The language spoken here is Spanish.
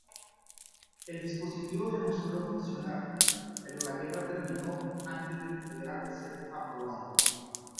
El dispositivo demostró funcionar, pero la guerra terminó antes de que pudiera ser aprobado.